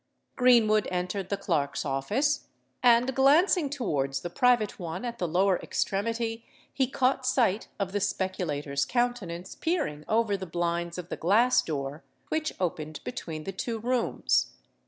Greenwood entered the clerks' office; and, glancing towards the private one at the lower extremity, he caught sight of the speculator's countenance peering over the blinds of the glass door which opened between the two rooms.